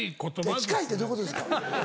近いってどういうことですか。